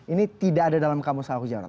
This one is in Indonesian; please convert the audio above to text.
ini tidak ada dalam kamus ahok jawa